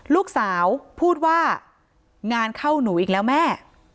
ลูกสาวพูดว่างานเข้าหนูอีกแล้วแม่